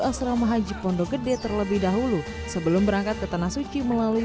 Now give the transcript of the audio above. asrama haji pondok gede terlebih dahulu sebelum berangkat ke tanah suci melalui